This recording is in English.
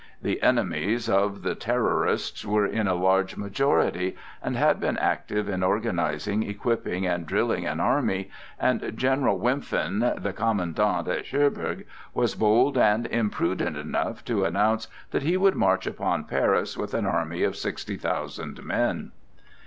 The enemies of the Terrorists were in a large majority, and had been active in organizing, equipping, and drilling an army, and General Wimpfen, the commandant at Cherbourg, was bold and imprudent enough to announce that he would march upon Paris with an army of sixty thousand men.